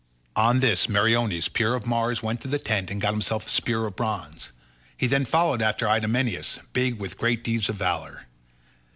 On this Meriones, peer of Mars, went to the tent and got himself a spear of bronze. He then followed after Idomeneus, big with great deeds of valour.